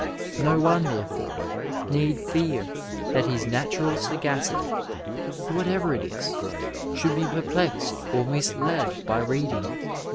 No one therefore need fear that his natural sagacity, whatever it is, should be perplexed or misled by reading.